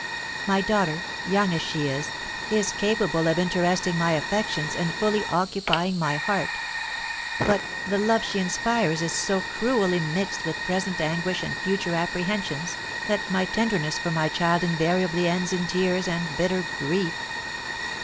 My daughter, young as she is, is capable of interesting my affections and fully occupying my heart; but the love she inspires is so cruelly mixed with present anguish and future apprehensions, that my tenderness for my child invariably ends in tears and bitter grief.